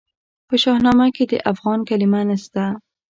په شاهنامه کې د افغان کلمه نسته.